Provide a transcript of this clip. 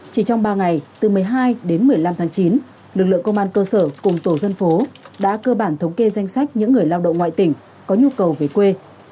chỉ trong ba ngày từ một mươi hai đến một mươi năm tháng chín lực lượng công an cơ sở cùng tổ dân phố đã cơ bản thống kê danh sách những người lao động ngoại tỉnh có nhu cầu về quê